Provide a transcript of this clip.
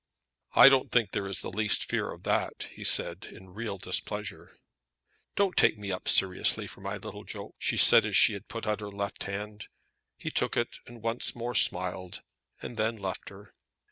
"I don't think there is the least fear of that," he said in real displeasure. "Don't take me up seriously for my little joke," she said as she put out her left hand. He took it, and once more smiled, and then left her.